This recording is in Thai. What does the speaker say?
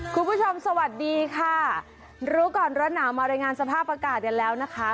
คุณผู้ชมสวัสดีค่ะรู้ก่อนร้อนหนาวมารายงานสภาพอากาศกันแล้วนะคะ